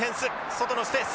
外のスペース。